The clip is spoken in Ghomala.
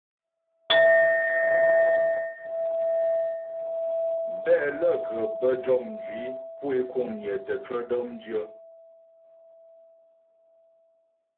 Mbɛ lə́ ghə bə́ jɔ mjwǐ pu é kuŋnyə tə cwə dɔ̌mdyə.